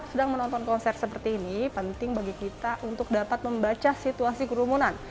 tidak ada yang menonton konser seperti ini penting bagi kita untuk dapat membaca situasi kerumunan